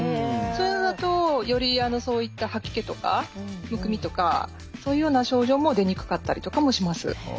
そういうのだとよりそういった吐き気とかむくみとかそういうような症状も出にくかったりとかもします。